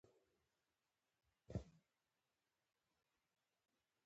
جرګمارو فيصله وکړه چې، شفيق مکلف دى.